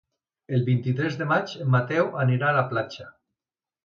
El vint-i-tres de maig en Mateu anirà a la platja.